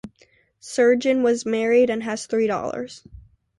Surjan was married and has three daughters.